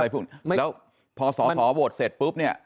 อะไรพวกนี้แล้วพอสสโบสถ์เสร็จปุ๊บเนี่ย